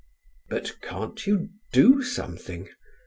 "But can't you do something?"